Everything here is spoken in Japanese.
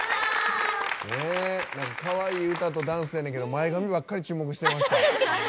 かわいい歌とダンスやねんけど前髪ばっかり注目してました。